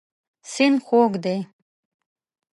سیند خوږ دی.